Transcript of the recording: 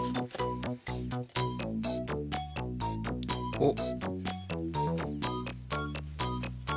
おっ。